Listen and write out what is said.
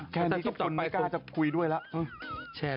คุณแม่กล้าจะคุยด้วยแล้ว